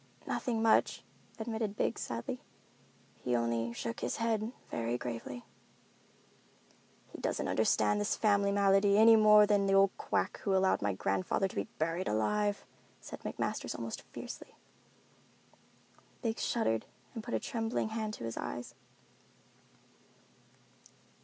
"Nothing much," admitted Biggs, sadly. "He only shook his head very gravely." "He doesn't understand this family malady any more than the old quack who allowed my grandfather to be buried alive," said McMasters almost fiercely. Biggs shuddered and put a trembling hand to his eyes.